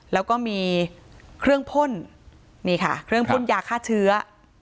แล้วก็มีเครื่องพ่นนี่ค่ะเครื่องพ่นยาฆ่าเชื้อ